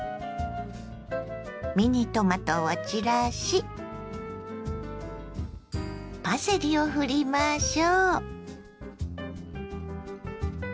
ミニトマトを散らしパセリをふりましょ。